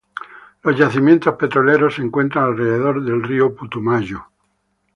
Los yacimientos petroleros se encuentran alrededor del río Putumayo.